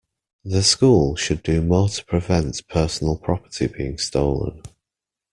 The school should do more to prevent personal property being stolen.